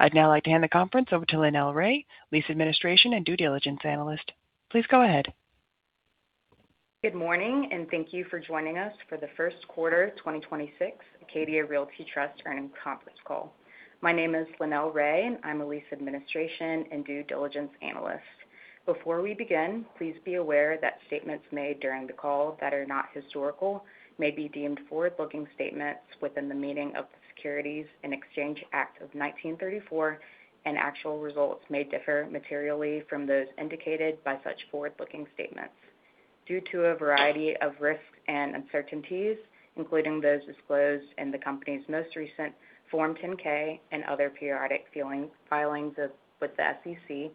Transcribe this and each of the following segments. I'd now like to hand the conference over to Linnell Ray, Lease Administration and Due Diligence Analyst. Please go ahead. Good morning, and thank you for joining us for the first quarter 2026 Acadia Realty Trust earnings conference call. My name is Linnell Ray, and I'm a Lease Administration and Due Diligence Analyst. Before we begin, please be aware that statements made during the call that are not historical may be deemed forward-looking statements within the meaning of the Securities Exchange Act of 1934, and actual results may differ materially from those indicated by such forward-looking statements. Due to a variety of risks and uncertainties, including those disclosed in the company's most recent Form 10-K and other periodic filings with the SEC,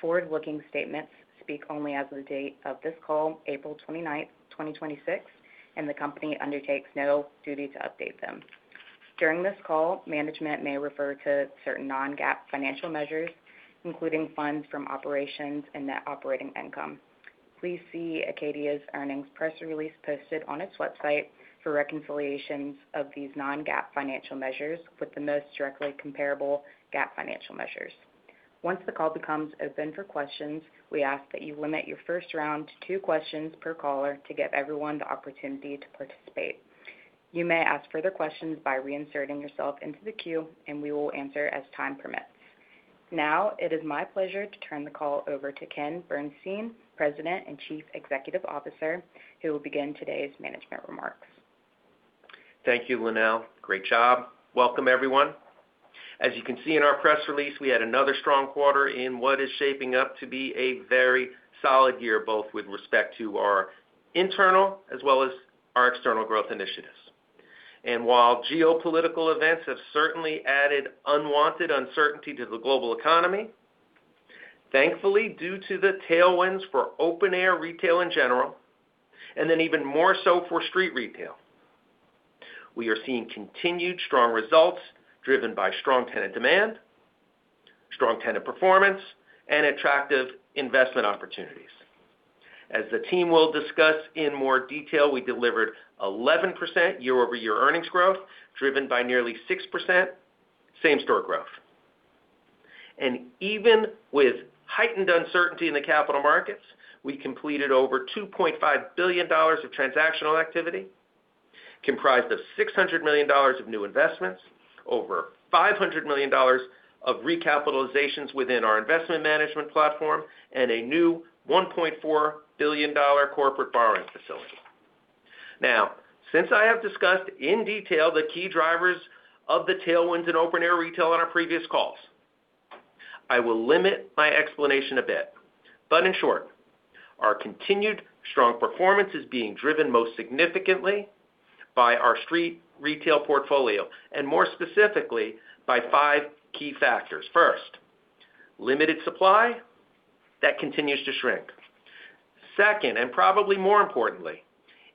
forward-looking statements speak only as of the date of this call, April 29, 2026, and the company undertakes no duty to update them. During this call, management may refer to certain non-GAAP financial measures, including funds from operations and net operating income. Please see Acadia's earnings press release posted on its website for reconciliations of these non-GAAP financial measures with the most directly comparable GAAP financial measures. Once the call becomes open for questions, we ask that you limit your first round to two questions per caller to give everyone the opportunity to participate. You may ask further questions by reinserting yourself into the queue, and we will answer as time permits. Now, it is my pleasure to turn the call over to Ken Bernstein, President and Chief Executive Officer, who will begin today's management remarks. Thank you, Linnell. Great job. Welcome, everyone. As you can see in our press release, we had another strong quarter in what is shaping up to be a very solid year, both with respect to our internal as well as our external growth initiatives. While geopolitical events have certainly added unwanted uncertainty to the global economy, thankfully, due to the tailwinds for open-air retail in general, and then even more so for street retail, we are seeing continued strong results driven by strong tenant demand, strong tenant performance, and attractive investment opportunities. As the team will discuss in more detail, we delivered 11% year-over-year earnings growth, driven by nearly 6% same-store growth. Even with heightened uncertainty in the capital markets, we completed over $2.5 billion of transactional activity, comprised of $600 million of new investments, over $500 million of recapitalizations within our investment management platform, and a new $1.4 billion corporate borrowing facility. Since I have discussed in detail the key drivers of the tailwinds in open-air retail on our previous calls, I will limit my explanation a bit. In short, our continued strong performance is being driven most significantly by our street retail portfolio and more specifically by five key factors. First, limited supply that continues to shrink. Second, probably more importantly,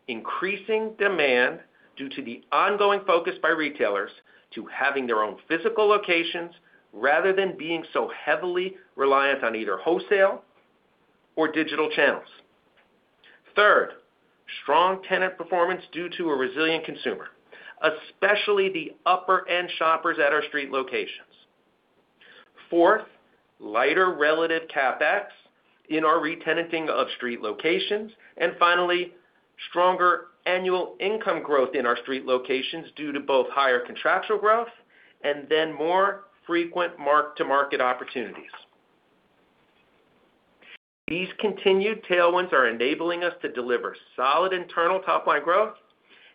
increasing demand due to the ongoing focus by retailers to having their own physical locations rather than being so heavily reliant on either wholesale or digital channels. Third, strong tenant performance due to a resilient consumer, especially the upper-end shoppers at our street locations. Fourth, lighter relative CapEx in our retenanting of street locations. Finally, stronger annual income growth in our street locations due to both higher contractual growth and then more frequent mark-to-market opportunities. These continued tailwinds are enabling us to deliver solid internal top-line growth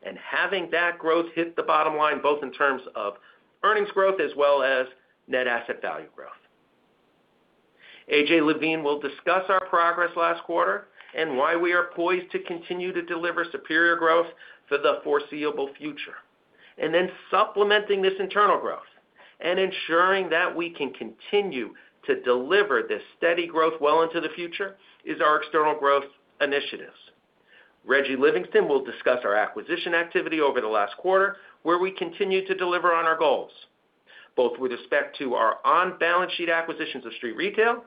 and having that growth hit the bottom line, both in terms of earnings growth as well as net asset value growth. AJ Levine will discuss our progress last quarter and why we are poised to continue to deliver superior growth for the foreseeable future. Supplementing this internal growth and ensuring that we can continue to deliver this steady growth well into the future is our external growth initiatives. Reggie Livingston will discuss our acquisition activity over the last quarter, where we continue to deliver on our goals, both with respect to our on-balance sheet acquisitions of street retail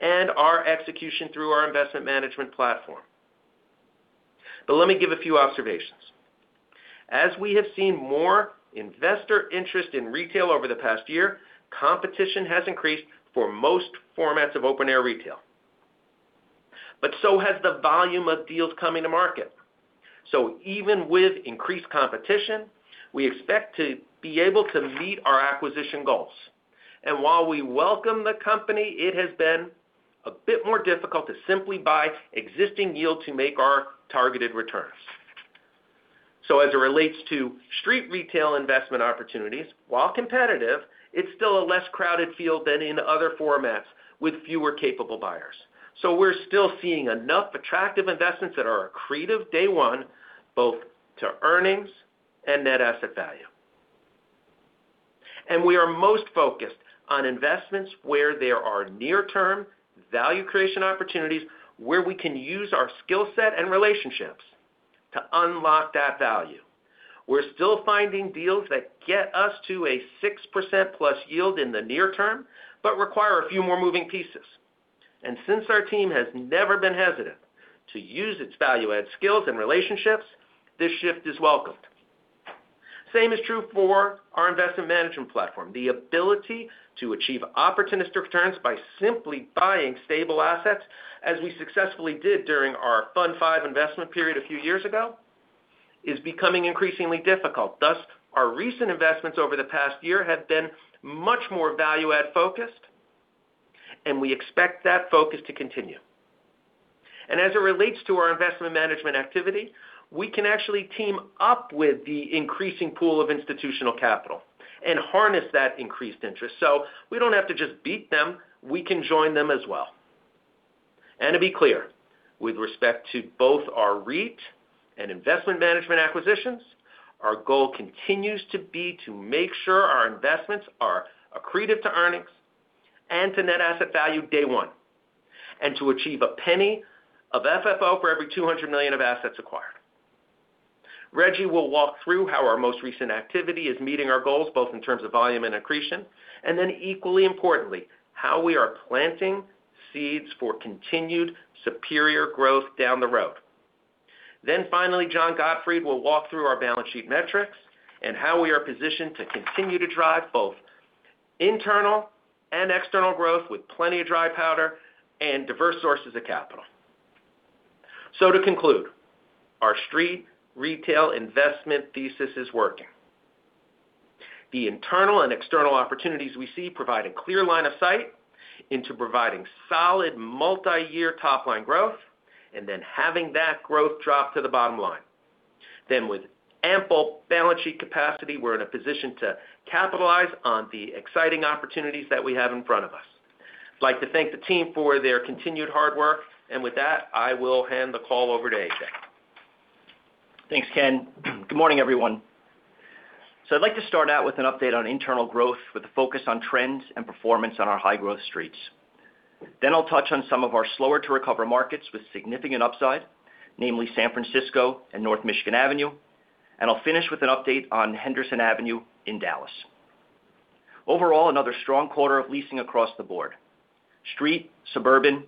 and our execution through our investment management platform. Let me give a few observations. As we have seen more investor interest in retail over the past year, competition has increased for most formats of open-air retail, but so has the volume of deals coming to market. Even with increased competition, we expect to be able to meet our acquisition goals. While we welcome the company, it has been a bit more difficult to simply buy existing yield to make our targeted returns. As it relates to street retail investment opportunities, while competitive, it's still a less crowded field than in other formats with fewer capable buyers. We're still seeing enough attractive investments that are accretive day one, both to earnings and net asset value. We are most focused on investments where there are near-term value creation opportunities where we can use our skill set and relationships to unlock that value. We're still finding deals that get us to a 6% plus yield in the near term but require a few more moving pieces. Since our team has never been hesitant to use its value-add skills and relationships, this shift is welcomed. Same is true for our investment management platform. The ability to achieve opportunistic returns by simply buying stable assets, as we successfully did during our Fund V investment period a few years ago, is becoming increasingly difficult. Thus, our recent investments over the past year have been much more value-add focused, and we expect that focus to continue. As it relates to our investment management activity, we can actually team up with the increasing pool of institutional capital and harness that increased interest. We don't have to just beat them, we can join them as well. To be clear, with respect to both our REIT and investment management acquisitions, our goal continues to be to make sure our investments are accretive to earnings and to net asset value day one, and to achieve a $0.01 of FFO for every $200 million of assets acquired. Reggie will walk through how our most recent activity is meeting our goals, both in terms of volume and accretion, and then equally importantly, how we are planting seeds for continued superior growth down the road. Finally, John Gottfried will walk through our balance sheet metrics and how we are positioned to continue to drive both internal and external growth with plenty of dry powder and diverse sources of capital. To conclude, our street retail investment thesis is working. The internal and external opportunities we see provide a clear line of sight into providing solid multi-year top-line growth, and then having that growth drop to the bottom line. With ample balance sheet capacity, we're in a position to capitalize on the exciting opportunities that we have in front of us. I'd like to thank the team for their continued hard work. With that, I will hand the call over to AJ. Thanks, Ken. Good morning, everyone. I'd like to start out with an update on internal growth with a focus on trends and performance on our high-growth streets. I'll touch on some of our slower-to-recover markets with significant upside, namely San Francisco and North Michigan Avenue. I'll finish with an update on Henderson Avenue in Dallas. Overall, another strong quarter of leasing across the board, street, suburban,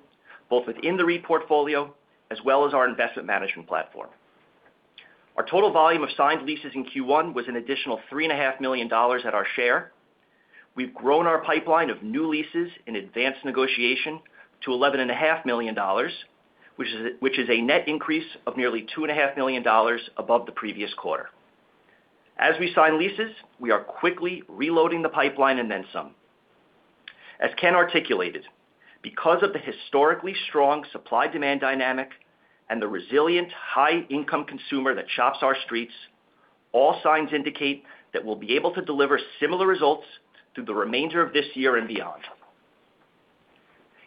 both within the REIT portfolio as well as our investment management platform. Our total volume of signed leases in Q1 was an additional $3.5 million our share. We've grown our pipeline of new leases in advanced negotiation to $11.5 million, which is a net increase of nearly $2.5 Million above the previous quarter. As we sign leases, we are quickly reloading the pipeline and then some. As Ken articulated, because of the historically strong supply-demand dynamic and the resilient high-income consumer that shops our streets, all signs indicate that we'll be able to deliver similar results through the remainder of this year and beyond.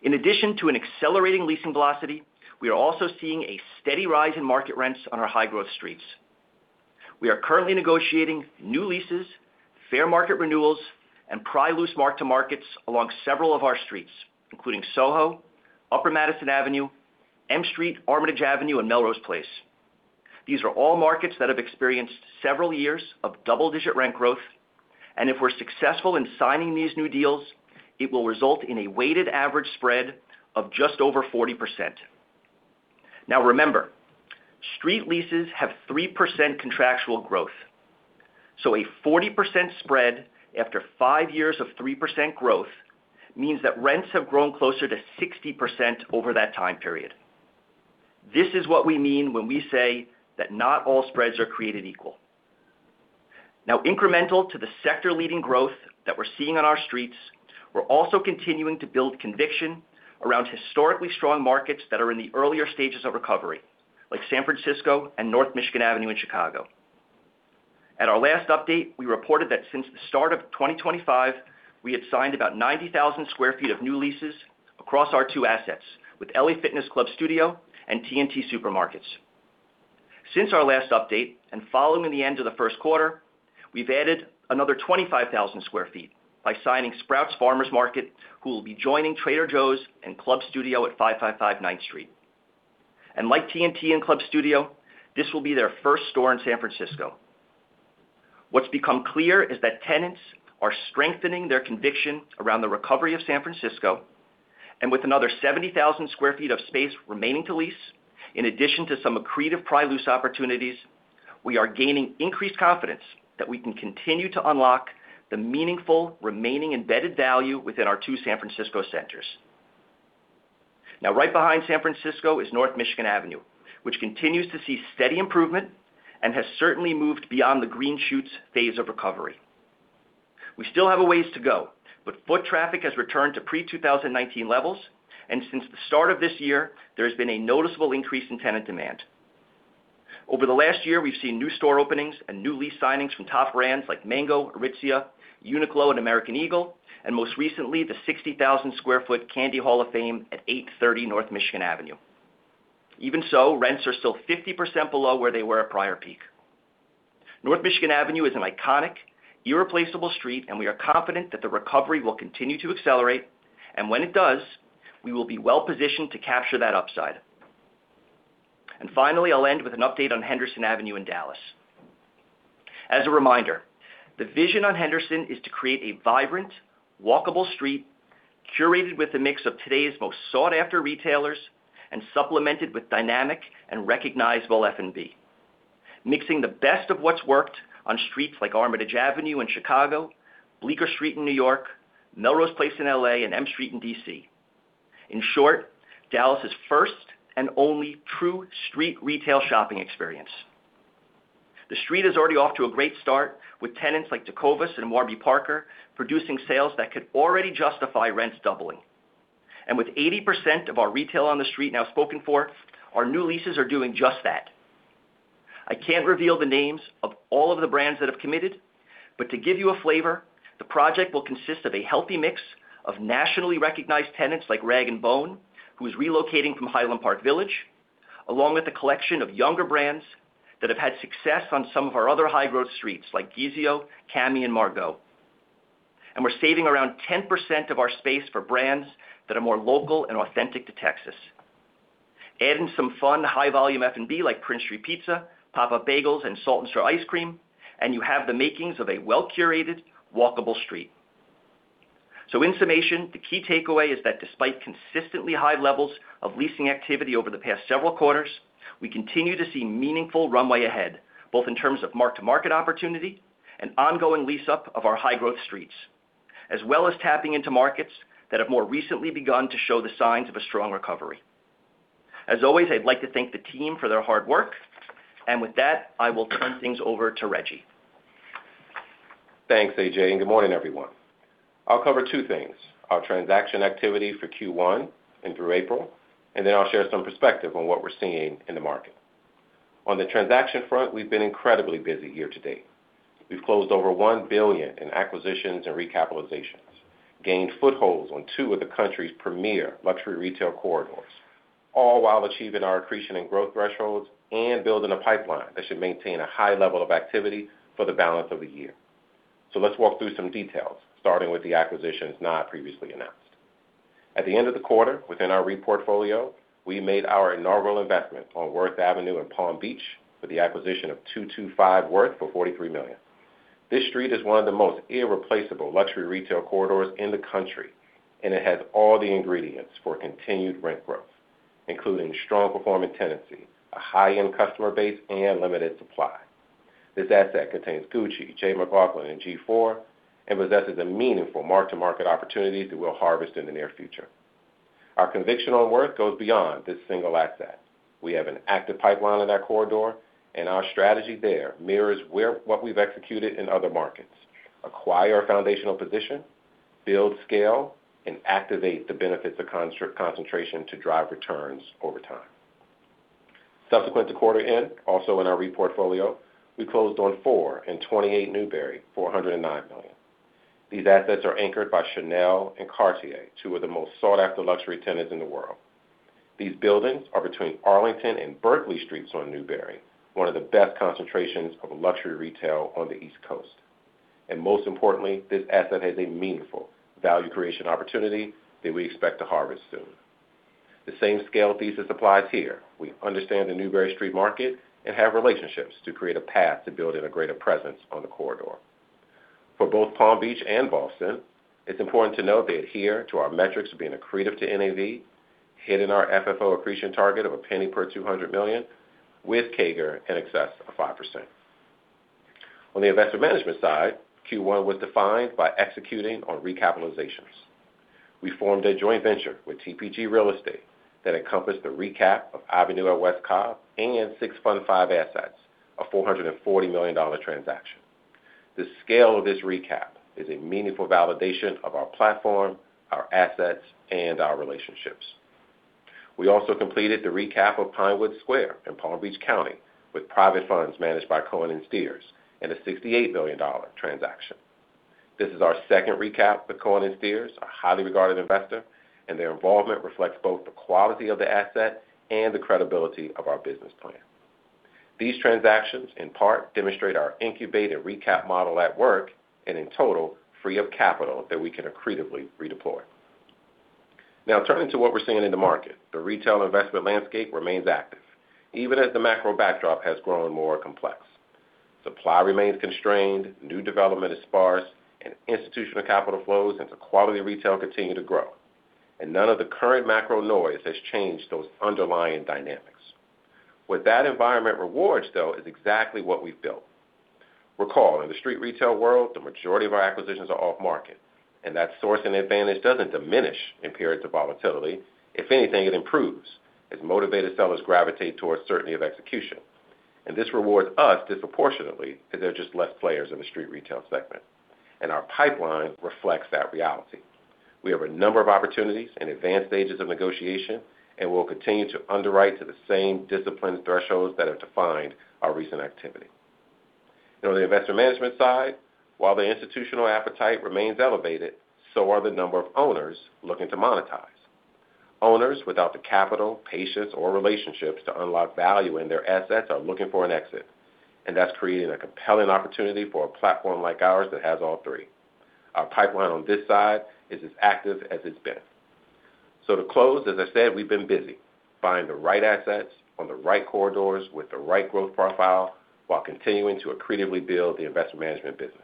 In addition to an accelerating leasing velocity, we are also seeing a steady rise in market rents on our high-growth streets. We are currently negotiating new leases, fair market renewals, and pry loose mark-to-markets along several of our streets, including SoHo, Upper Madison Avenue, M Street, Armitage Avenue, and Melrose Place. This are all market that has experience several years of double digit rent growth. If we're successful in signing these new deals, it will result in a weighted average spread of just over 40%. Now remember, street leases have 3% contractual growth. A 40% spread after five years of 3% growth means that rents have grown closer to 60% over that time period. This is what we mean when we say that not all spreads are created equal. Incremental to the sector-leading growth that we're seeing on our streets, we're also continuing to build conviction around historically strong markets that are in the earlier stages of recovery, like San Francisco and North Michigan Avenue in Chicago. At our last update, we reported that since the start of 2025, we had signed about 90,000 sq ft of new leases across our two assets with LA Fitness Club Studio and T&T Supermarkets. Since our last update, and following the end of the first quarter, we've added another 25,000 square feet by signing Sprouts Farmers Market, who will be joining Trader Joe's and Club Studio at 555 Ninth Street. Like T&T and Club Studio, this will be their first store in San Francisco. What's become clear is that tenants are strengthening their conviction around the recovery of San Francisco, and with another 70,000 square feet of space remaining to lease, in addition to some accretive pry loose opportunities, we are gaining increased confidence that we can continue to unlock the meaningful remaining embedded value within our two San Francisco centers. Now, right behind San Francisco is North Michigan Avenue, which continues to see steady improvement and has certainly moved beyond the green shoots phase of recovery. We still have a ways to go, but foot traffic has returned to pre-2019 levels, and since the start of this year, there has been a noticeable increase in tenant demand. Over the last year, we've seen new store openings and new lease signings from top brands like Mango, Aritzia, Uniqlo, and American Eagle, and most recently, the 60,000-square-foot Candy Hall of Fame at 830 North Michigan Avenue. Even so, rents are still 50% below where they were at prior peak. North Michigan Avenue is an iconic, irreplaceable street, and we are confident that the recovery will continue to accelerate. When it does, we will be well-positioned to capture that upside. Finally, I'll end with an update on Henderson Avenue in Dallas. As a reminder, the vision on Henderson is to create a vibrant, walkable street curated with a mix of today's most sought-after retailers and supplemented with dynamic and recognizable F&B. Mixing the best of what's worked on streets like Armitage Avenue in Chicago, Bleecker Street in New York, Melrose Place in L.A., and M Street in D.C. In short, Dallas' first and only true street retail shopping experience. The street is already off to a great start with tenants like Tecovas and Warby Parker producing sales that could already justify rents doubling. With 80% of our retail on the street now spoken for, our new leases are doing just that. I can't reveal the names of all of the brands that have committed, but to give you a flavor, the project will consist of a healthy mix of nationally recognized tenants like rag & bone, who is relocating from Highland Park Village, along with a collection of younger brands that have had success on some of our other high-growth streets, like Guizio, Cami, and Margot. We're saving around 10% of our space for brands that are more local and authentic to Texas. Add in some fun, high-volume F&B like Prince Street Pizza, PopUp Bagels, and Salt & Straw Ice Cream, and you have the makings of a well-curated walkable street. In summation, the key takeaway is that despite consistently high levels of leasing activity over the past several quarters, we continue to see meaningful runway ahead, both in terms of mark-to-market opportunity and ongoing lease-up of our high-growth streets, as well as tapping into markets that have more recently begun to show the signs of a strong recovery. As always, I'd like to thank the team for their hard work. With that, I will turn things over to Reggie. Thanks, AJ. Good morning, everyone. I'll cover two things: our transaction activity for Q1 and through April, and then I'll share some perspective on what we're seeing in the market. On the transaction front, we've been incredibly busy year to date. We've closed over $1 billion in acquisitions and recapitalizations, gained footholds on two of the country's premier luxury retail corridors, all while achieving our accretion and growth thresholds and building a pipeline that should maintain a high level of activity for the balance of the year. Let's walk through some details, starting with the acquisitions not previously announced. At the end of the quarter, within our REIT portfolio, we made our inaugural investment on Worth Avenue in Palm Beach for the acquisition of 225 Worth for $43 million. This street is one of the most irreplaceable luxury retail corridors in the country, and it has all the ingredients for continued rent growth, including strong-performing tenancy, a high-end customer base, and limited supply. This asset contains Gucci, J.McLaughlin, and G4, and possesses a meaningful mark-to-market opportunity that we'll harvest in the near future. Our conviction on Worth goes beyond this single asset. We have an active pipeline in that corridor, and our strategy there mirrors what we've executed in other markets. Acquire a foundational position, build scale, and activate the benefits of concentration to drive returns over time. Subsequent to quarter end, also in our REIT portfolio, we closed on 428 Newbury for $109 million. These assets are anchored by Chanel and Cartier, two of the most sought-after luxury tenants in the world. These buildings are between Arlington and Berkeley Streets on Newbury, one of the best concentrations of luxury retail on the East Coast. Most importantly, this asset has a meaningful value creation opportunity that we expect to harvest soon. The same scale thesis applies here. We understand the Newbury Street market and have relationships to create a path to building a greater presence on the corridor. For both Palm Beach and Boston, it's important to note they adhere to our metrics of being accretive to NAV, hitting our FFO accretion target of a penny per $200 million, with CAGR in excess of 5%. On the investment management side, Q1 was defined by executing on recapitalizations. We formed a joint venture with TPG Real Estate that encompassed the recap of Avenue at West Cobb and six Fund V assets, a $440 million transaction. The scale of this recap is a meaningful validation of our platform, our assets, and our relationships. We also completed the recap of Pinewood Square in Palm Beach County with private funds managed by Cohen & Steers in a $68 million transaction. This is our second recap with Cohen & Steers, a highly regarded investor, and their involvement reflects both the quality of the asset and the credibility of our business plan. These transactions, in part, demonstrate our incubated recap model at work and in total free up capital that we can accretively redeploy. Now, turning to what we're seeing in the market, the retail investment landscape remains active, even as the macro backdrop has grown more complex. Supply remains constrained, new development is sparse, and institutional capital flows into quality retail continue to grow. None of the current macro noise has changed those underlying dynamics. What that environment rewards, though, is exactly what we've built. Recall, in the street retail world, the majority of our acquisitions are off-market, and that sourcing advantage doesn't diminish in periods of volatility. If anything, it improves as motivated sellers gravitate towards certainty of execution. This rewards us disproportionately because there are just less players in the street retail segment, and our pipeline reflects that reality. We have a number of opportunities in advanced stages of negotiation and will continue to underwrite to the same disciplined thresholds that have defined our recent activity. On the investment management side, while the institutional appetite remains elevated, so are the number of owners looking to monetize. Owners without the capital, patience, or relationships to unlock value in their assets are looking for an exit, and that's creating a compelling opportunity for a platform like ours that has all three. Our pipeline on this side is as active as it's been. To close, as I said, we've been busy finding the right assets on the right corridors with the right growth profile while continuing to accretively build the investment management business.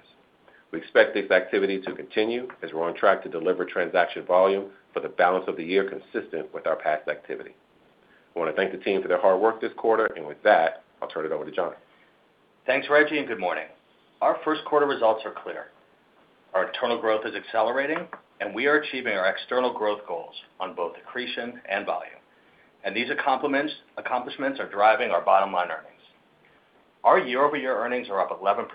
We expect this activity to continue as we're on track to deliver transaction volume for the balance of the year consistent with our past activity. I want to thank the team for their hard work this quarter. With that, I'll turn it over to John. Thanks, Reggie, and good morning. Our first quarter results are clear. Our internal growth is accelerating, and we are achieving our external growth goals on both accretion and volume. These accomplishments are driving our bottom line earnings. Our year-over-year earnings are up 11%,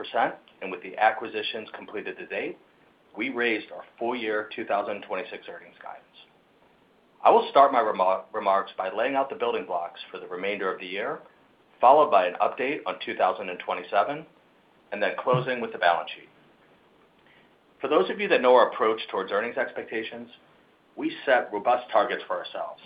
with the acquisitions completed to date, we raised our full-year 2026 earnings guidance. I will start my remarks by laying out the building blocks for the remainder of the year, followed by an update on 2027, and then closing with the balance sheet. For those of you that know our approach towards earnings expectations, we set robust targets for ourselves,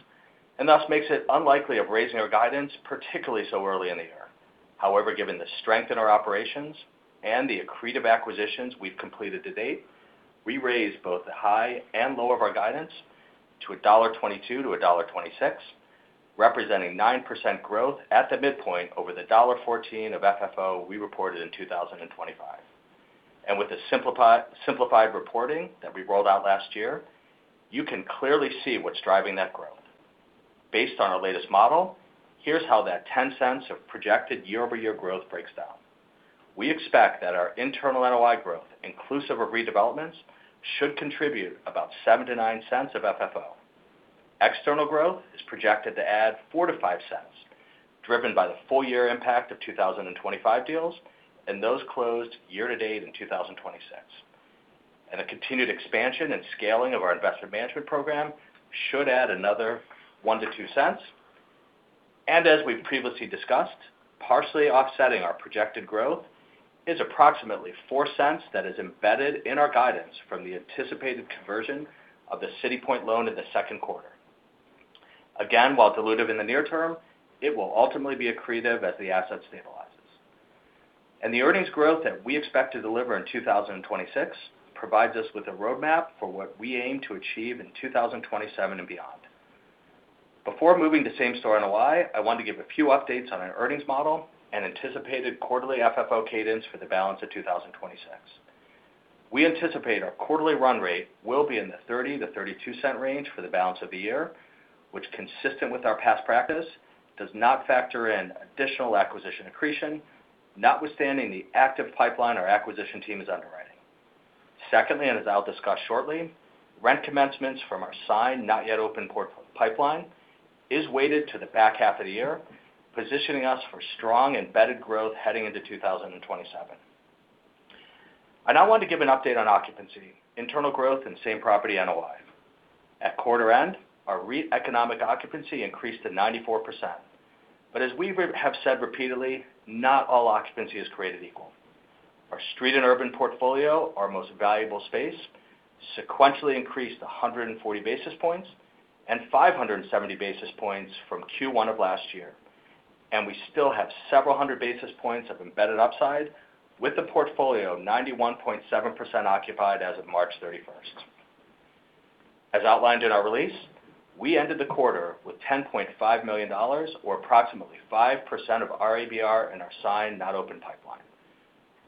and thus makes it unlikely of raising our guidance, particularly so early in the year. However, given the strength in our operations and the accretive acquisitions we've completed to date, we raised both the high and low of our guidance to $1.22-$1.26, representing 9% growth at the midpoint over the $1.14 of FFO we reported in 2025. With the simplified reporting that we rolled out last year, you can clearly see what's driving that growth. Based on our latest model, here's how that $0.10 of projected year-over-year growth breaks down. We expect that our internal NOI growth, inclusive of redevelopments, should contribute about $0.07-$0.09 of FFO. External growth is projected to add $0.04-$0.05, driven by the full-year impact of 2025 deals and those closed year-to-date in 2026. The continued expansion and scaling of our investment management program should add another $0.01-$0.02. As we've previously discussed, partially offsetting our projected growth is approximately $0.04 that is embedded in our guidance from the anticipated conversion of the City Point loan in the second quarter. Again, while dilutive in the near term, it will ultimately be accretive as the asset stabilizes. The earnings growth that we expect to deliver in 2026 provides us with a roadmap for what we aim to achieve in 2027 and beyond. Before moving to same-store NOI, I want to give a few updates on our earnings model and anticipated quarterly FFO cadence for the balance of 2026. We anticipate our quarterly run rate will be in the $0.30-$0.32 range for the balance of the year, which consistent with our past practice does not factor in additional acquisition accretion, notwithstanding the active pipeline our acquisition team is underwriting. Secondly, as I'll discuss shortly, rent commencements from our signed, not yet open portfolio pipeline is weighted to the back half of the year, positioning us for strong embedded growth heading into 2027. I now want to give an update on occupancy, internal growth and same-property NOI. At quarter end, our REIT economic occupancy increased to 94%. As we have said repeatedly, not all occupancy is created equal. Our street and urban portfolio, our most valuable space, sequentially increased 140 basis points and 570 basis points from Q1 of last year. We still have several hundred basis points of embedded upside with the portfolio 91.7% occupied as of March 31st. As outlined in our release, we ended the quarter with $10.5 million or approximately 5% of our ABR in our signed not open pipeline.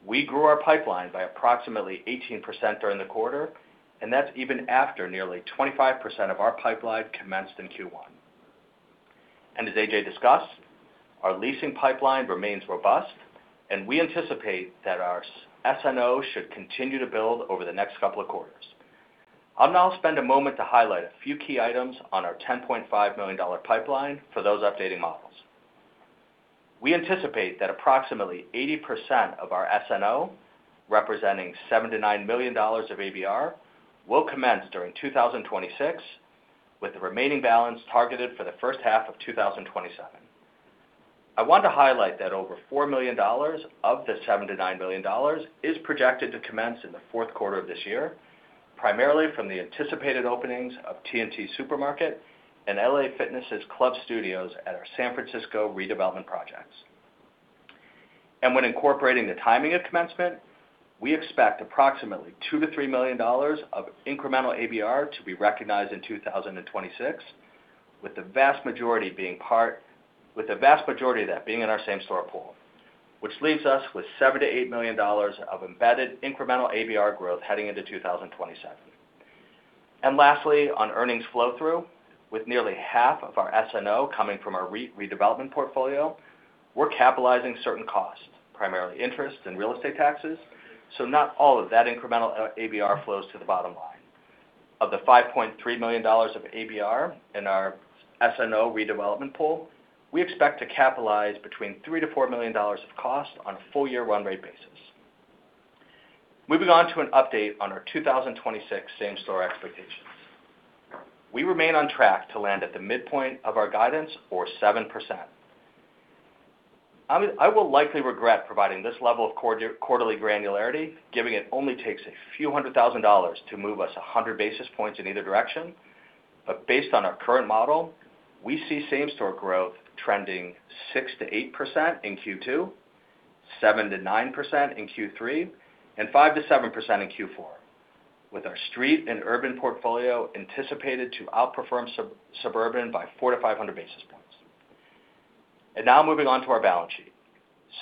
We grew our pipeline by approximately 18% during the quarter, and that's even after nearly 25% of our pipeline commenced in Q1. As AJ discussed, our leasing pipeline remains robust, and we anticipate that our SNO should continue to build over the next couple of quarters. I'll now spend a moment to highlight a few key items on our $10.5 million pipeline for those updating models. We anticipate that approximately 80% of our SNO, representing $7 million-$9 million of ABR, will commence during 2026, with the remaining balance targeted for the first half of 2027. I want to highlight that over $4 million of the $7 million-$9 million is projected to commence in the fourth quarter of this year, primarily from the anticipated openings of T&T Supermarket and LA Fitness' Club Studios at our San Francisco redevelopment projects. When incorporating the timing of commencement, we expect approximately $2 million-$3 million of incremental ABR to be recognized in 2026, with the vast majority of that being in our same-store pool, which leaves us with $7 million-$8 million of embedded incremental ABR growth heading into 2027. Lastly, on earnings flow-through, with nearly half of our SNO coming from our REIT redevelopment portfolio, we're capitalizing certain costs, primarily interest and real estate taxes, not all of that incremental ABR flows to the bottom line. Of the $5.3 million of ABR in our SNO redevelopment pool, we expect to capitalize between $3 million-$4 million of cost on a full-yIar run rate basis. Moving on to an update on our 2026 same-store expectations. We remain on track to land at the midpoint of our guidance or 7%. I mean, I will likely regret providing this level of quarterly granularity, giving it only takes a few hundred thousand dollars to move us 100 basis points in either direction. Based on our current model, we see same-store growth trending 6%-8% in Q2, 7%-9% in Q3, and 5%-7% in Q4, with our street and urban portfolio anticipated to outperform suburban by 400-500 basis points. Now moving on to our balance sheet.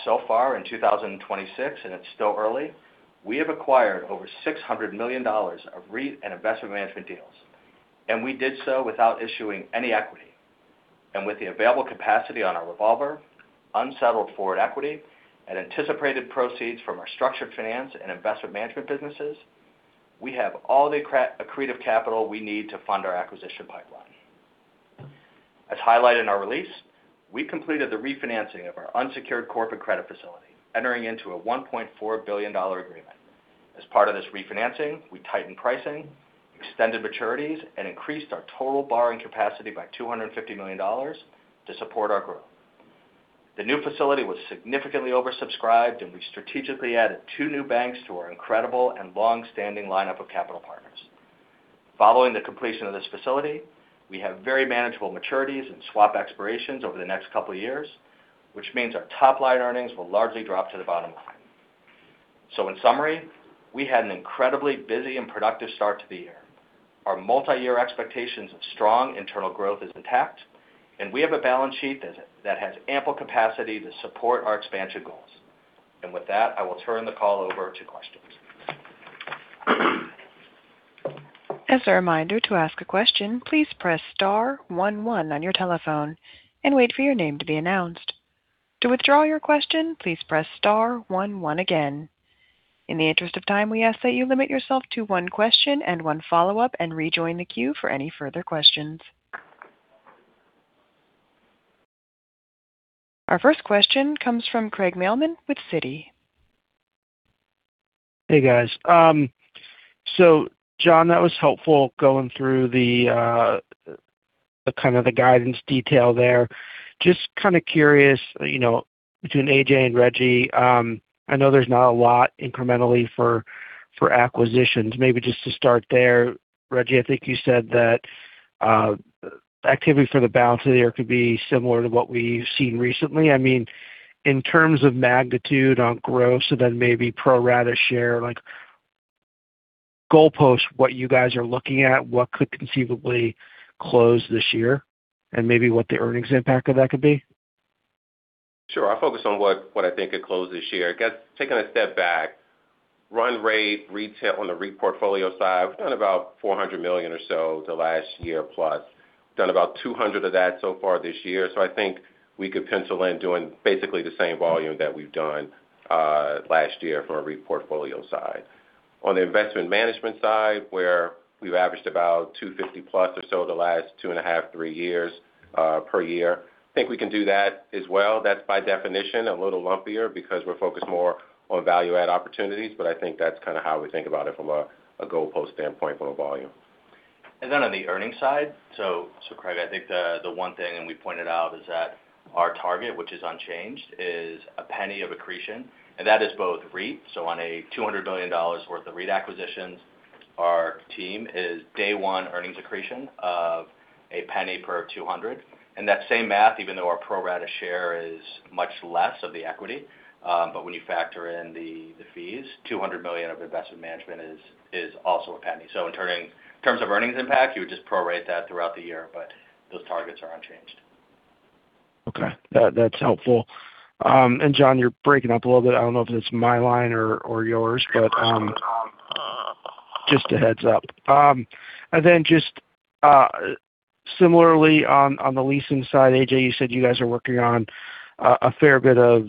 So far in 2026, and it's still early, we have acquired over $600 million of REIT and investment management deals. We did so without issuing any equity. With the available capacity on our revolver, unsettled forward equity, and anticipated proceeds from our structured finance and investment management businesses, we have all the accretive capital we need to fund our acquisition pipeline. As highlighted in our release, we completed the refinancing of our unsecured corporate credit facility, entering into a $1.4 billion agreement. As part of this refinancing, we tightened pricing, extended maturities, and increased our total borrowing capacity by $250 million to support our growth. The new facility was significantly oversubscribed, we strategically added two new banks to our incredible and long-standing lineup of capital partners. Following the completion of this facility, we have very manageable maturities and swap expirations over the next couple of years, which means our top-line earnings will largely drop to the bottom line. In summary, we had an incredibly busy and productive start to the year. Our multi-year expectations of strong internal growth is intact, and we have a balance sheet that has ample capacity to support our expansion goals. With that, I will turn the call over to questions. As a reminder, to ask a question, please press star one one on your telephone and wait for your name to be announced. To withdraw your question, please press star one one again. In the interest of time, we ask that you limit yourself to one question and one follow-up and rejoin the queue for any further questions. Our first question comes from Craig Mailman with Citi. Hey, guys. John, that was helpful going through the kind of the guidance detail there. Just kind of curious, you know, between AJ and Reggie, I know there's not a lot incrementally for acquisitions. Maybe just to start there, Reggie, I think you said that activity for the balance of the year could be similar to what we've seen recently. I mean, in terms of magnitude on growth, maybe pro rata share, like goalpost, what you guys are looking at, what could conceivably close this year, and maybe what the earnings impact of that could be. Sure. I'll focus on what I think could close this year. Taking a step back, run rate retail on the REIT portfolio side, we've done about $400 million or so the last year plus. We've done about $200 million of that so far this year. I think we could pencil in doing basically the same volume that we've done last year from a REIT portfolio side. On the investment management side, where we've averaged about $250 million+ or so the last 2.5, three years per year, I think we can do that as well. That's by definition a little lumpier because we're focused more on value add opportunities. I think that's kind of how we think about it from a goalpost standpoint from a volume. On the earnings side, Craig, I think the one thing, and we pointed out, is that our target, which is unchanged, is $0.01 of accretion, and that is both REIT. On a $200 billion worth of REIT acquisitions, our team is day one earnings accretion of $0.01 per $200. That same math, even though our pro rata share is much less of the equity, but when you factor in the fees, $200 million of investment management is also $0.01. In terms of earnings impact, you would just prorate that throughout the year, but those targets are unchanged. Okay. That's helpful. John, you're breaking up a little bit. I don't know if it's my line or yours, but just a heads up. Similarly on the leasing side, AJ, you said you guys are working on a fair bit of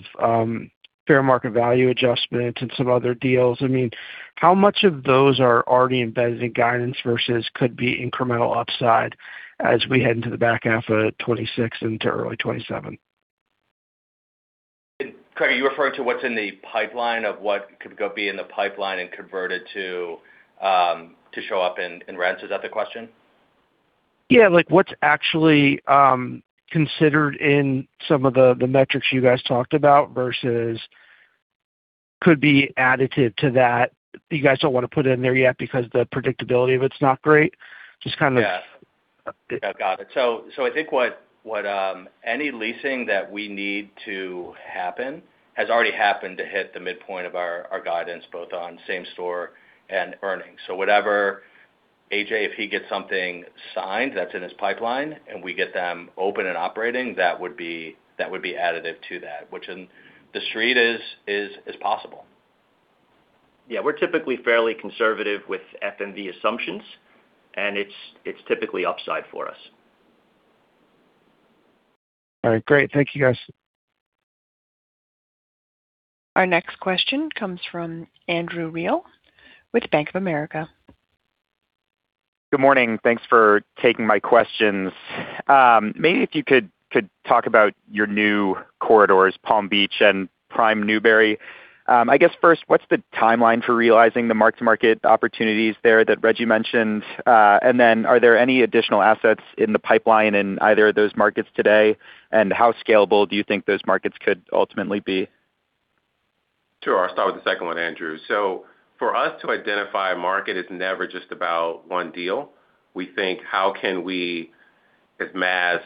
fair market value adjustment and some other deals. I mean, how much of those are already embedded in guidance versus could be incremental upside as we head into the back half of 2026 into early 2027? Craig, are you referring to what's in the pipeline of what could go be in the pipeline and converted to to show up in rents? Is that the question? Yeah. Like what's actually considered in some of the metrics you guys talked about versus could be additive to that you guys don't want to put in there yet because the predictability of it's not great. Just kind of. Yeah. Yeah. Got it. I think any leasing that we need to happen has already happened to hit the midpoint of our guidance, both on same store and earnings. Whatever AJ, if he gets something signed that is in his pipeline, and we get them open and operating, that would be additive to that, which in the street is possible. Yeah. We're typically fairly conservative with FMV assumptions, and it's typically upside for us. All right. Great. Thank you, guys. Our next question comes from Andrew Reale with Bank of America. Good morning. Thanks for taking my questions. Maybe if you could talk about your new corridors, Palm Beach and Prime Newbury. I guess first, what's the timeline for realizing the mark-to-market opportunities there that Reggie mentioned? Then are there any additional assets in the pipeline in either of those markets today? How scalable do you think those markets could ultimately be? Sure. I'll start with the second one, Andrew. For us to identify a market is never just about one deal. We think, how can we amass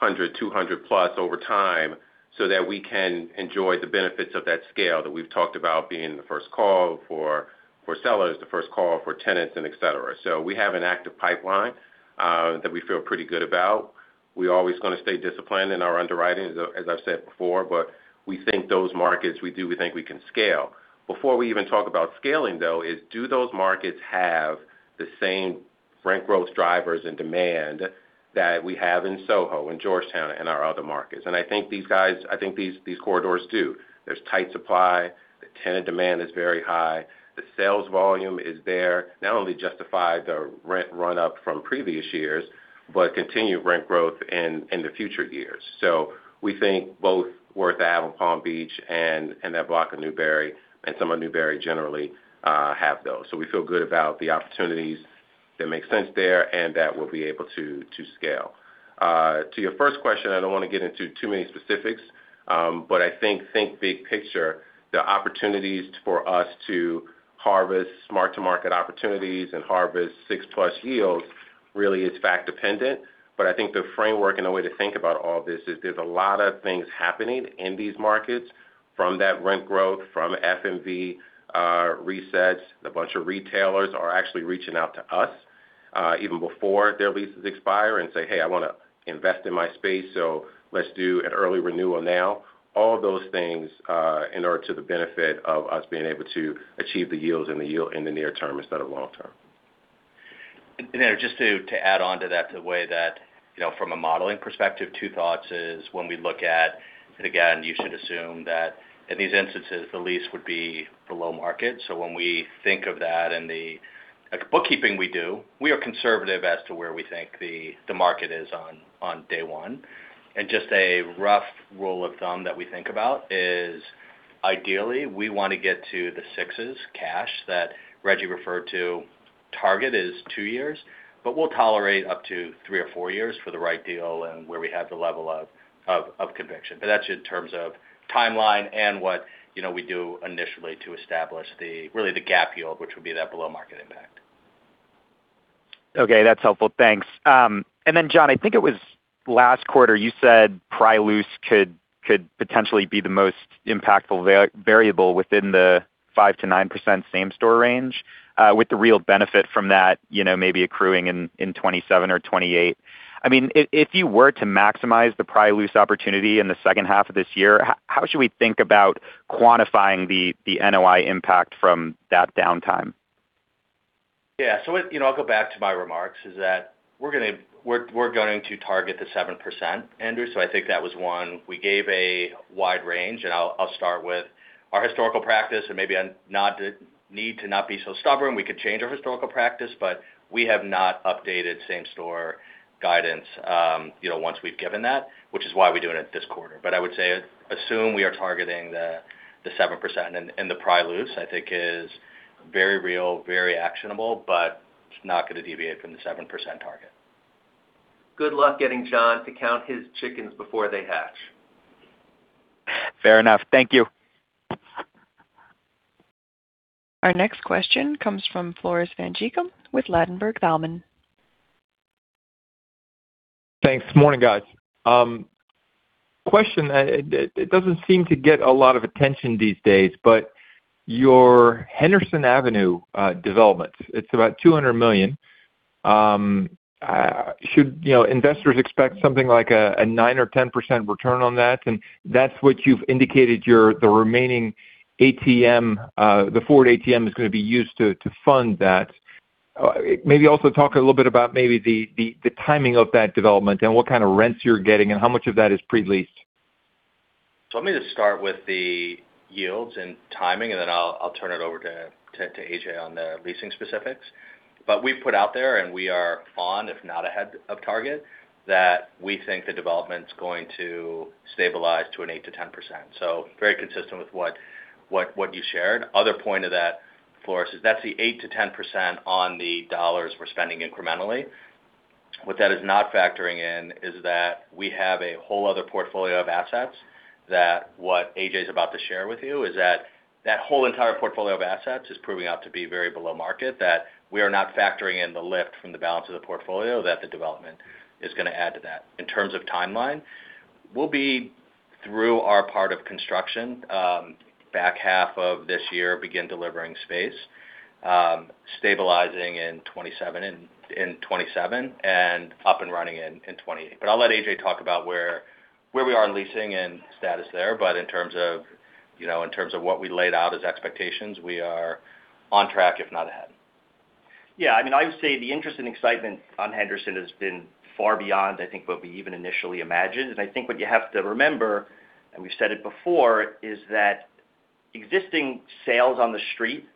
100, 200 plus over time so that we can enjoy the benefits of that scale that we've talked about being the first call for sellers, the first call for tenants and et cetera. We have an active pipeline that we feel pretty good about. We always gonna stay disciplined in our underwriting, as I've said before, but we think those markets we do, we think we can scale. Before we even talk about scaling, though, is do those markets have the same rent growth drivers and demand that we have in SoHo, in Georgetown, and our other markets? I think these corridors do. There's tight supply. The tenant demand is very high. The sales volume is there. Not only justify the rent run-up from previous years, but continued rent growth in the future years. We think both Worth Ave in Palm Beach and that block of Newbury and some of Newbury generally have those. We feel good about the opportunities that make sense there, and that we'll be able to scale. To your first question, I don't wanna get into too many specifics, but I think big picture, the opportunities for us to harvest mark-to-market opportunities and harvest six plus yields really is fact dependent. I think the framework and the way to think about all this is there's a lot of things happening in these markets from that rent growth, from FMV resets. A bunch of retailers are actually reaching out to us, even before their leases expire and say, "Hey, I wanna invest in my space, so let's do an early renewal now." All of those things, in order to the benefit of us being able to achieve the yields and the yield in the near term instead of long term. You know, just to add on to that, the way that, you know, from a modeling perspective, two thoughts is when we look at, and again, you should assume that in these instances, the lease would be below market. When we think of that and the, like, bookkeeping we do, we are conservative as to where we think the market is on day one. Just a rough rule of thumb that we think about is ideally, we wanna get to the sixes cash that Reggie referred to. Target is two years, but we'll tolerate up to three or four years for the right deal and where we have the level of conviction. That's in terms of timeline and what, you know, we do initially to establish really the gap yield, which would be that below market impact. Okay, that's helpful. Thanks. John, I think it was last quarter, you said pry loose could potentially be the most impactful variable within the 5%-9% same store range, with the real benefit from that, you know, maybe accruing in 2027 or 2028. I mean, if you were to maximize the pry loose opportunity in the second half of this year, how should we think about quantifying .he NOI impact from that downtime? Yeah. You know, I'll go back to my remarks, is that we're going to target the 7%, Andrew. I think that was one. We gave a wide range. I'll start with our historical practice and maybe I'm not need to not be so stubborn. We could change our historical practice. We have not updated same store guidance, you know, once we've given that, which is why we're doing it this quarter. I would say, assume we are targeting the 7%. The pry loose, I think is very real, very actionable. It's not gonna deviate from the 7% target. Good luck getting John to count his chickens before they hatch. Fair enough. Thank you. Our next question comes from Floris van Dijkum with Ladenburg Thalmann. Thanks. Morning, guys. Question, it doesn't seem to get a lot of attention these days, but your Henderson Avenue development, it's about $200 million. Should, you know, investors expect something like a 9% or 10% return on that? That's what you've indicated the remaining ATM, the forward ATM is gonna be used to fund that. Maybe also talk a little bit about the timing of that development and what kind of rents you're getting and how much of that is pre-leased. Let me just start with the yields and timing, and then I'll turn it over to AJ on the leasing specifics. We've put out there and we are on, if not ahead of target, that we think the development's going to stabilize to an 8%-10%. Very consistent with what you shared. Other point of that, Floris, is that's the 8%-10% on the dollars we're spending incrementally. That is not factoring in is that we have a whole other portfolio of assets that what A.J's about to share with you is that that whole entire portfolio of assets is proving out to be very below market, that we are not factoring in the lift from the balance of the portfolio that the development is gonna add to that. In terms of timeline, we'll be through our part of construction, back half of this year, begin delivering space, stabilizing in 2027 and up and running in 2028. I'll let AJ talk about where we are in leasing and status there. In terms of, you know, in terms of what we laid out as expectations, we are on track, if not ahead. Yeah, I mean, I would say the interest and excitement on Henderson has been far beyond, I think, what we even initially imagined. I think what you have to remember, and we've said it before, is that existing sales on the street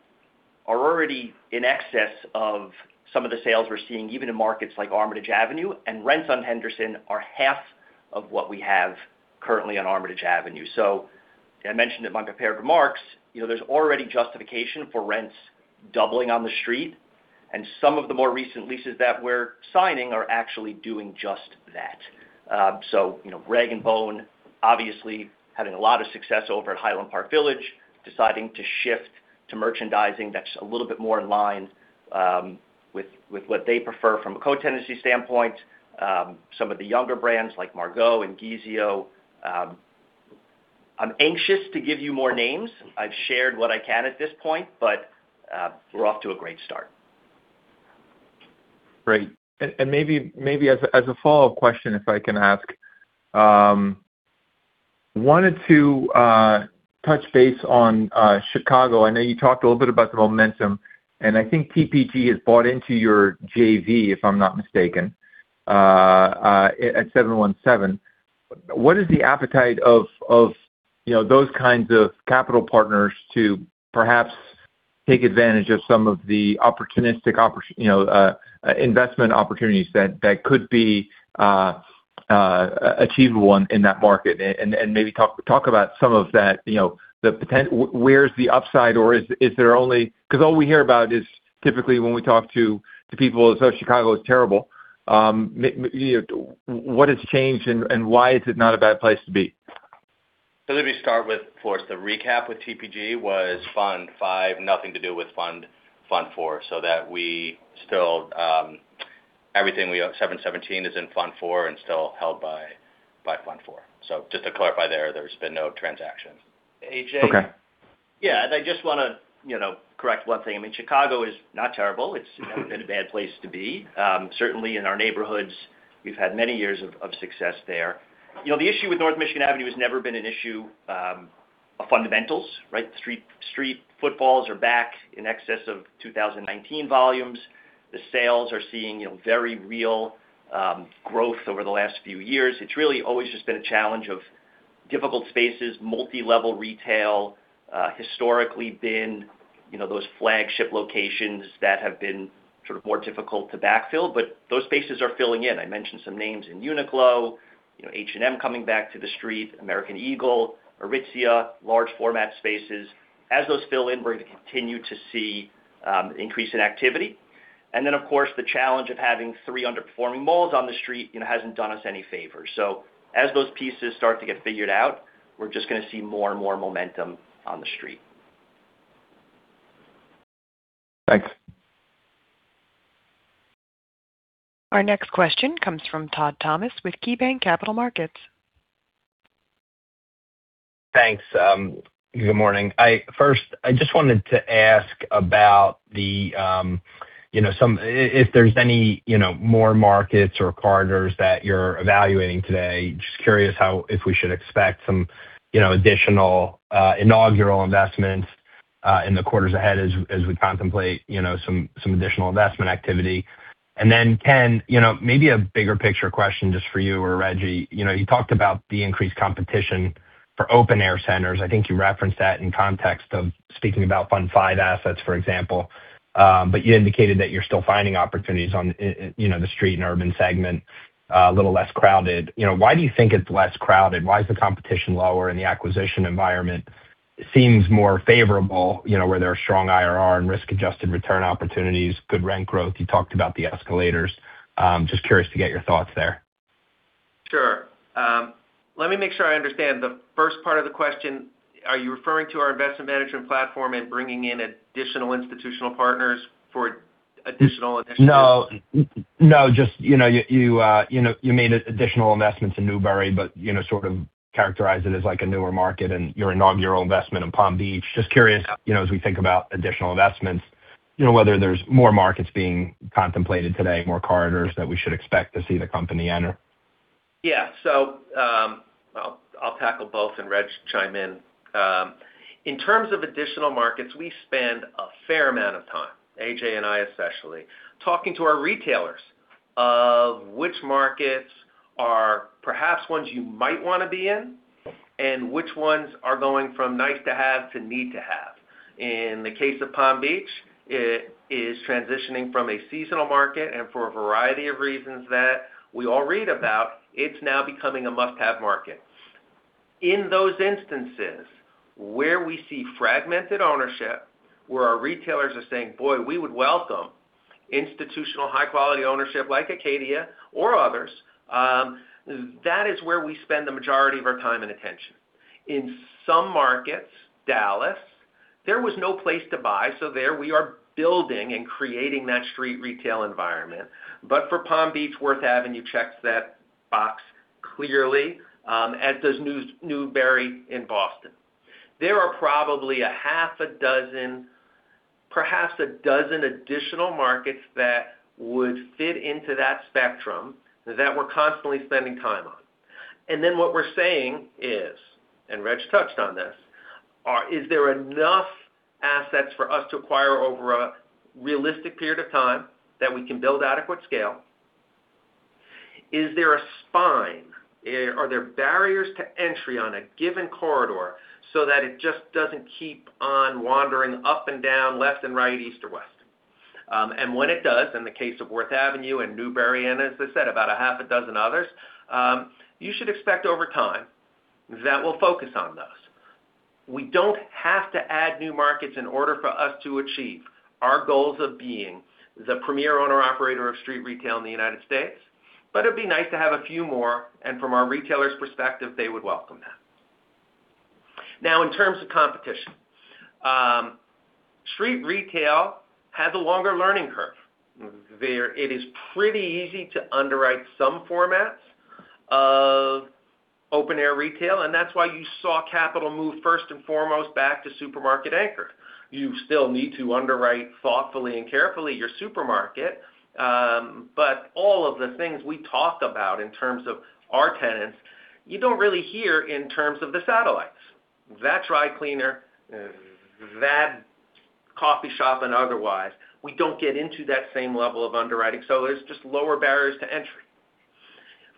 are already in excess of some of the sales we're seeing even in markets like Armitage Avenue, and rents on Henderson are half of what we have currently on Armitage Avenue. I mentioned in my prepared remarks, you know, there's already justification for rents doubling on the street. Some of the more recent leases that we're signing are actually doing just that. You know, rag & bone obviously having a lot of success over at Highland Park Village, deciding to shift to merchandising that's a little bit more in line with what they prefer from a co-tenancy standpoint. Some of the younger brands like Margot and Guizio. I'm anxious to give you more names. I've shared what I can at this point, we're off to a great start. Great. Maybe as a follow-up question, if I can ask. Wanted to touch base on Chicago. I know you talked a little bit about the momentum, and I think TPG has bought into your JV, if I'm not mistaken, at 717. What is the appetite of, you know, those kinds of capital partners to perhaps take advantage of some of the opportunistic investment opportunities that could be achievable in that market? Maybe talk about some of that, you know. Where's the upside, or is there only? 'Cause all we hear about is typically when we talk to people, they say Chicago is terrible. You know, what has changed and why is it not a bad place to be? Let me start with, of course, the recap with TPG was Fund V, nothing to do with Fund IV, so that we still, everything we own, 717 is in Fund IV and still held by Fund IV. Just to clarify there's been no transaction. AJ. Okay. Yeah, I just wanna, you know, correct one thing. I mean, Chicago is not terrible. It's, you know, been a bad place to be. Certainly in our neighborhoods, we've had many years of success there. You know, the issue with North Michigan Avenue has never been an issue of fundamentals, right? Street footfalls are back in excess of 2019 volumes. The sales are seeing, you know, very real growth over the last few years. It's really always just been a challenge of difficult spaces, multi-level retail, historically been, you know, those flagship locations that have been sort of more difficult to backfill, but those spaces are filling in. I mentioned some names in Uniqlo, you know, H&M coming back to the street, American Eagle, Aritzia, large format spaces. As those fill in, we're going to continue to see increase in activity. Of course, the challenge of having three underperforming malls on the street, you know, hasn't done us any favors. As those pieces start to get figured out, we're just going to see more and more momentum on the street. Thanks. Our next question comes from Todd Thomas with KeyBanc Capital Markets. Thanks. Good morning. First, I just wanted to ask about the, if there's any more markets or corridors that you're evaluating today. Just curious if we should expect some additional inaugural investments in the quarters ahead as we contemplate some additional investment activity. Then, Ken, maybe a bigger picture question just for you or Reggie. You talked about the increased competition for open air centers. I think you referenced that in context of speaking about Fund V assets, for example. You indicated that you're still finding opportunities on the street and urban segment a little less crowded. Why do you think it's less crowded? Why is the competition lower and the acquisition environment seems more favorable, you know, where there are strong IRR and risk-adjusted return opportunities, good rent growth? You talked about the escalators. Just curious to get your thoughts there. Sure. Let me make sure I understand. The first part of the question, are you referring to our investment management platform and bringing in additional institutional partners for additional initiatives? No. just, you know, you know, you made additional investments in Newbury, but, you know, sort of characterized it as like a newer market and your inaugural investment in Palm Beach. Just curious, you know, as we think about additional investments, you know, whether there's more markets being contemplated today, more corridors that we should expect to see the company enter? Yeah. I'll tackle both and Reggie chime in. In terms of additional markets, we spend a fair amount of time, AJ and I especially, talking to our retailers of which markets are perhaps ones you might wanna be in and which ones are going from nice to have to need to have. In the case of Palm Beach, it is transitioning from a seasonal market, and for a variety of reasons that we all read about, it's now becoming a must-have market. In those instances where we see fragmented ownership, where our retailers are saying, "Boy, we would welcome institutional high-quality ownership like Acadia or others," that is where we spend the majority of our time and attention. In some markets, Dallas, there was no place to buy, so there we are building and creating that street retail environment. For Palm Beach, Worth Avenue checks that box clearly, as does Newbury in Boston. There are probably a half a dozen, perhaps a dozen additional markets that would fit into that spectrum that we're constantly spending time on. What we're saying is, and Reggie touched on this, is there enough assets for us to acquire over a realistic period of time that we can build adequate scale? Is there a spine? Are there barriers to entry on a given corridor so that it just doesn't keep on wandering up and down, left and right, east or west? When it does, in the case of Worth Avenue and Newbury and as I said, about a half a dozen others, you should expect over time that we'll focus on those. We don't have to add new markets in order for us to achieve our goals of being the premier owner operator of street retail in the United States, it'd be nice to have a few more, and from our retailers' perspective, they would welcome that. In terms of competition, street retail has a longer learning curve. It is pretty easy to underwrite some formats of open air retail, that's why you saw capital move first and foremost back to supermarket anchor. You still need to underwrite thoughtfully and carefully your supermarket, but all of the things we talk about in terms of our tenants, you don't really hear in terms of the satellites. That dry cleaner, that coffee shop and otherwise, we don't get into that same level of underwriting, so it's just lower barriers to entry.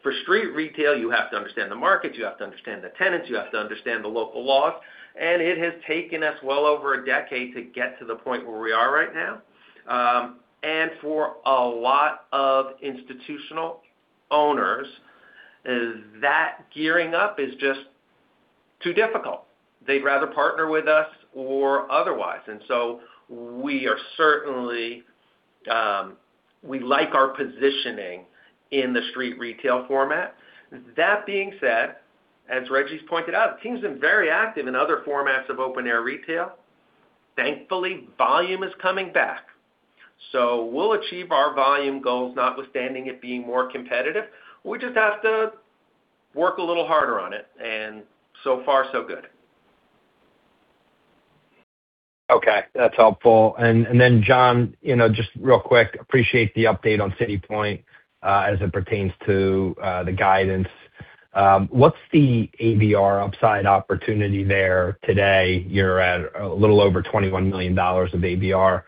For street retail, you have to understand the markets, you have to understand the tenants, you have to understand the local laws. It has taken us well over a decade to get to the point where we are right now. For a lot of institutional owners, gearing up is just too difficult. They'd rather partner with us or otherwise. We are certainly, we like our positioning in the street retail format. That being said, as Reggie's pointed out, team's been very active in other formats of open air retail. Thankfully, volume is coming back. We'll achieve our volume goals, notwithstanding it being more competitive. We just have to work a little harder on it. So far so good. Okay, that's helpful. Then John, you know, just real quick, appreciate the update on City Point as it pertains to the guidance. What's the ABR upside opportunity there today? You're at a little over $21 million of ABR.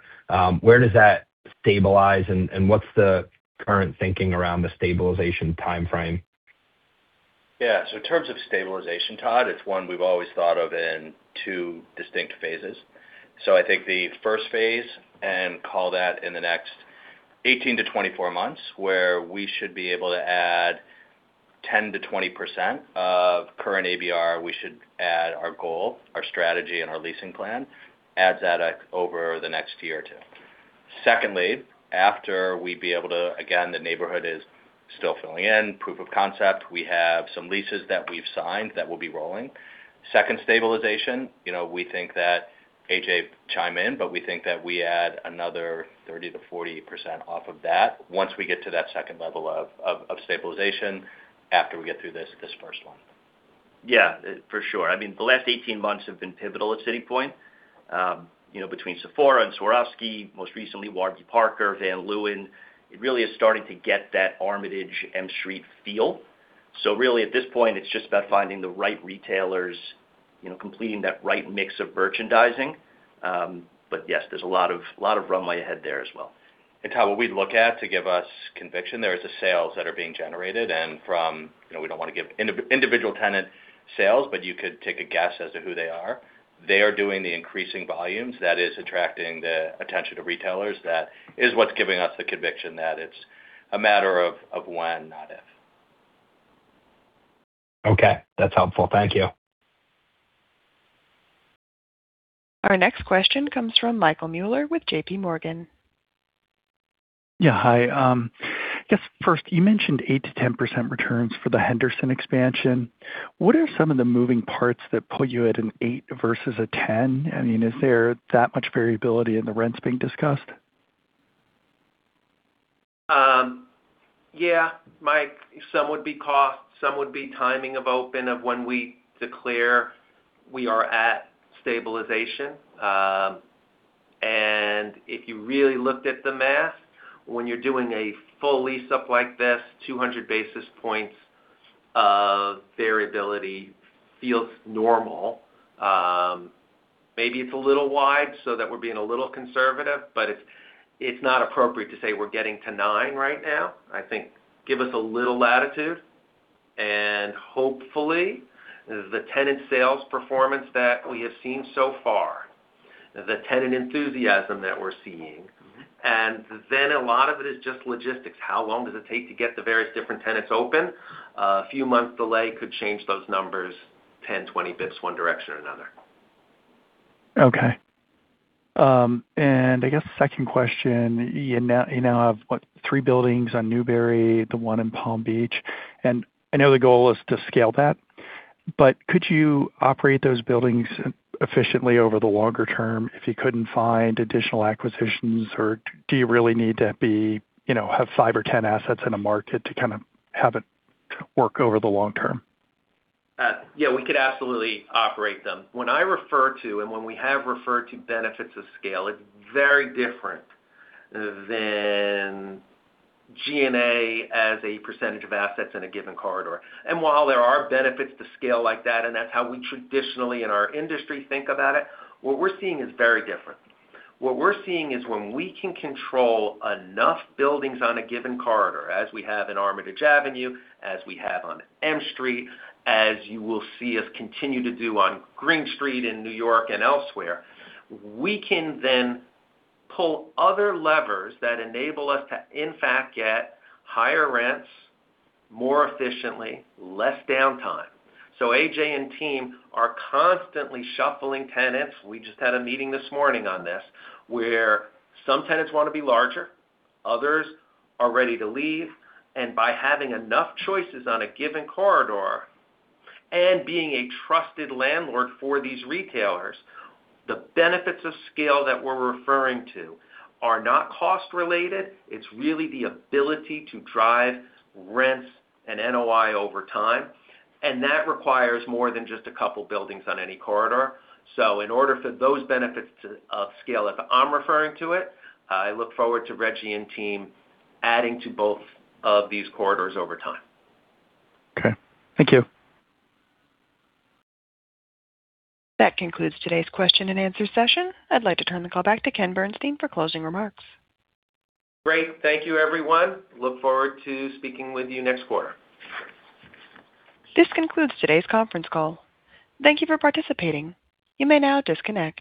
Where does that stabilize and what's the current thinking around the stabilization timeframe? In terms of stabilization, Todd, it's one we've always thought of in two distinct phases. I think the first phase, and call that in the next 18-24 months, where we should be able to add 10%-20% of current ABR. We should add our goal, our strategy, and our leasing plan, add that up over the next year or two. Secondly, again, the neighborhood is still filling in, proof of concept. We have some leases that we've signed that will be rolling. Second stabilization, you know, we think that. AJ, chime in. We think that we add another 30%-40% off of that once we get to that second level of stabilization after we get through this first one. Yeah, for sure. I mean, the last 18 months have been pivotal at City Point. you know, between Sephora and Swarovski, most recently, Warby Parker, Van Leeuwen, it really is starting to get that Armitage M Street feel. Really, at this point, it's just about finding the right retailers, you know, completing that right mix of merchandising. Yes, there's a lot of runway ahead there as well. Todd, what we look at to give us conviction there is the sales that are being generated. You know, we don't wanna give individual tenant sales, but you could take a guess as to who they are. They are doing the increasing volumes. That is attracting the attention to retailers. That is what's giving us the conviction that it's a matter of when, not if. Okay, that's helpful. Thank you. Our next question comes from Michael Mueller with JPMorgan. Hi. I guess first, you mentioned 8% to 10% returns for the Henderson expansion. What are some of the moving parts that put you at an eight versus a 10? I mean, is there that much variability in the rents being discussed? Yeah. Michael, some would be cost, some would be timing of open of when we declare we are at stabilization. If you really looked at the math, when you're doing a full lease-up like this, 200 basis points of variability feels normal. Maybe it's a little wide so that we're being a little conservative, but it's not appropriate to say we're getting to nine right now. I think give us a little latitude, and hopefully, the tenant sales performance that we have seen so far, the tenant enthusiasm that we're seeing. A lot of it is just logistics. How long does it take to get the various different tenants open? A few months delay could change those numbers 10, 20 basis points one direction or another. Okay. I guess second question, you now have, what, three buildings on Newbury, the one in Palm Beach. I know the goal is to scale that, but could you operate those buildings efficiently over the longer term if you couldn't find additional acquisitions? Do you really need to be, you know, have five or 10 assets in a market to kind of have it work over the long term? Yeah, we could absolutely operate them. When I refer to, and when we have referred to benefits of scale, it's very different than G&A as a percentage of assets in a given corridor. While there are benefits to scale like that, and that's how we traditionally in our industry think about it, what we're seeing is very different. What we're seeing is when we can control enough buildings on a given corridor, as we have in Armitage Avenue, as we have on M Street, as you will see us continue to do on Green Street in N.Y. and elsewhere, we can then pull other levers that enable us to in fact get higher rents more efficiently, less downtime. AJ and team are constantly shuffling tenants. We just had a meeting this morning on this, where some tenants wanna be larger, others are ready to leave. By having enough choices on a given corridor and being a trusted landlord for these retailers, the benefits of scale that we're referring to are not cost related. It's really the ability to drive rents and NOI over time, and that requires more than just a couple buildings on any corridor. In order for those benefits of scale, if I'm referring to it, I look forward to Reggie and team adding to both of these corridors over time. Okay. Thank you. That concludes today's question and answer session. I'd like to turn the call back to Ken Bernstein for closing remarks. Great. Thank you, everyone. Look forward to speaking with you next quarter. This concludes today's conference call. Thank you for participating. You may now disconnect.